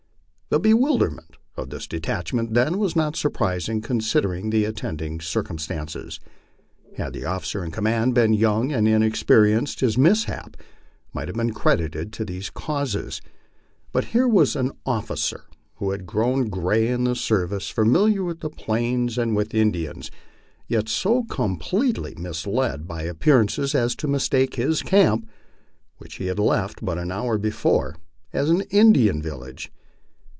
The bewilderment of this detachment, then, was not surprising considering the attending circumstances. Had the officer in command been young and inex perienced, his mishap might have been credited to these causes ; but here waa an officer who had grown gray in the service, familiar with the Plains and with Indians, yet so completely misled by appearances as to mistake his camp, which he had left but an hour before, for an Indian village.